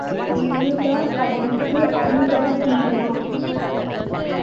எழுதாக் கடனுக்கு அழுதால் தீருமா?